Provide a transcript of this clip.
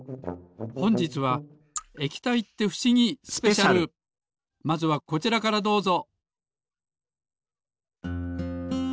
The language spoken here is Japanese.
ほんじつはまずはこちらからどうぞ。